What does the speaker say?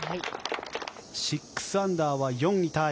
６アンダーは４位タイ。